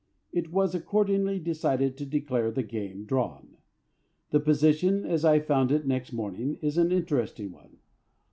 It was accordingly decided to declare the game drawn. The position, as I found it next morning, is an interesting one.